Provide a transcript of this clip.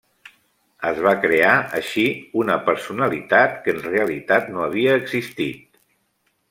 Es va crear, així, una personalitat que en realitat no havia existit.